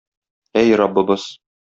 Әй, Раббыбыз!